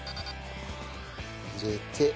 入れて。